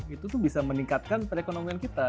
itu tuh bisa meningkatkan perekonomian kita